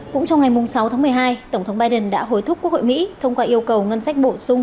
cũng trong ngày sáu tháng một mươi hai tổng thống biden đã hối thúc quốc hội mỹ thông qua yêu cầu ngân sách bổ sung